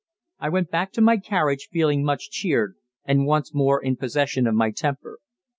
I went back to my carriage feeling much cheered and once more in possession of my temper.